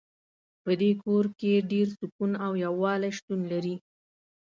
په دې کور کې ډېر سکون او یووالۍ شتون لری